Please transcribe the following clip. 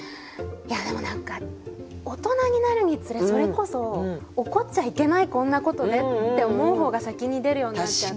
いやでも何か大人になるにつれそれこそ「怒っちゃいけないこんなことで」って思う方が先に出るようになっちゃって。